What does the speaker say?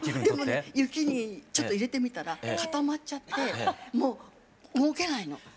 でもね雪にちょっと入れてみたら固まっちゃってもう動けないの。